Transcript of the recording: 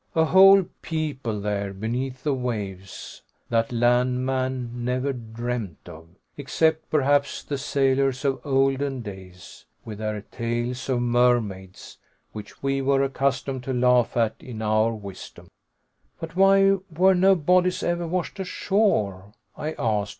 "A whole people there beneath the waves that land man never dreamed of except, perhaps, the sailors of olden days, with their tales of mermaids, which we are accustomed to laugh at in our wisdom!" "But why were no bodies ever washed ashore?" I asked.